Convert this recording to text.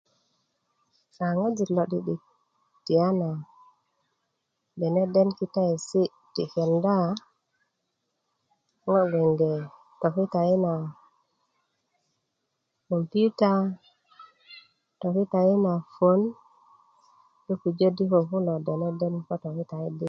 na ŋojik lo 'di'di tiyanana dene den kitayesi ti kenda ŋo gbeŋge tokitayi na kompiyuta tokitayi na phone do pujö di ko kulo dene den ko tokitayi di nyo